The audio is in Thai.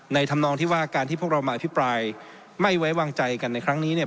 ทำนองที่ว่าการที่พวกเรามาอภิปรายไม่ไว้วางใจกันในครั้งนี้เนี่ย